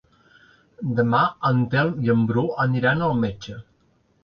Demà en Telm i en Bru aniran al metge.